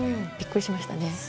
びっくりしましたね。